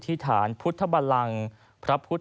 ที่มีโอกาสได้ไปชม